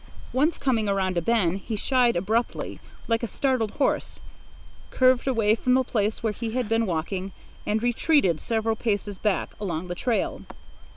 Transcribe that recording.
Once, coming around a bend, he shied abruptly, like a startled horse, curved away from the place where he had been walking, and retreated several paces back along the trail.